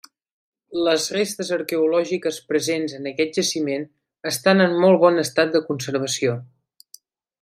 Les restes arqueològiques presents en aquest jaciment estan en molt bon estat de conservació.